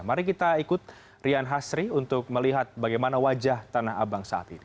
mari kita ikut rian hasri untuk melihat bagaimana wajah tanah abang saat ini